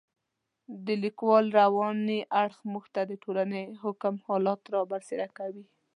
د لیکوال رواني اړخ موږ ته د ټولنې حاکم حالات را برسېره کوي.